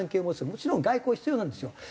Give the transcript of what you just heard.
もちろん外交必要なんですよ。